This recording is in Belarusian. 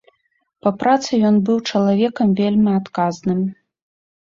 Па працы ён быў чалавекам вельмі адказным.